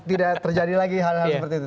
tidak terjadi lagi hal hal seperti itu